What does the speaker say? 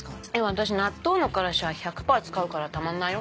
私納豆のカラシは１００パー使うからたまんないよ。